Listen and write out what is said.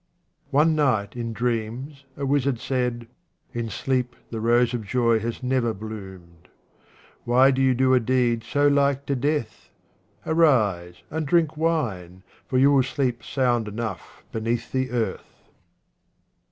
One night in dreams a wizard said, " In sleep the rose of joy has never bloomed. Why do you do a deed so like to death ? Arise, and drink wine, for you will sleep sound enough beneath the earth."